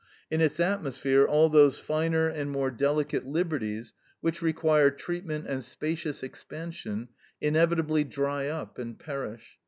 In its atmosphere all those finer and more delicate liberties, which require treatment and spacious expansion, inevitably dry up and perish.